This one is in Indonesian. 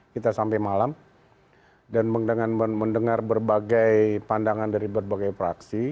kita sampai malam dan mendengar berbagai pandangan dari berbagai praksi